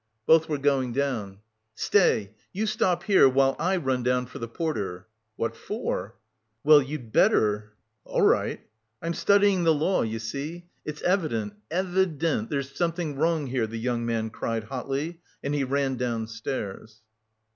Both were going down. "Stay. You stop here while I run down for the porter." "What for?" "Well, you'd better." "All right." "I'm studying the law you see! It's evident, e vi dent there's something wrong here!" the young man cried hotly, and he ran downstairs.